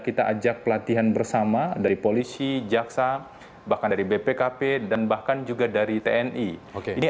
kita ajak pelatihan bersama dari polisi jaksa bahkan dari bpkp dan bahkan juga dari tni ini